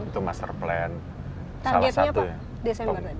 targetnya apa desember tadi